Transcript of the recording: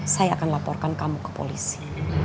saya akan laporkan kamu ke polisi